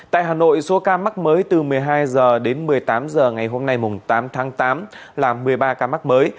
tại hà nội số ca mắc mới từ một mươi hai h đến một mươi tám h ngày hôm nay tám tháng tám là một mươi ba ca mắc mới